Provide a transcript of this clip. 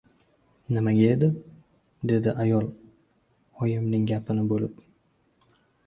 — Nimaga edi? — dedi ayol oyimning gapini bo‘lib.